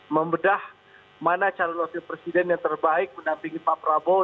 membedah mana calon wakil presiden yang terbaik menampingi pak prabowo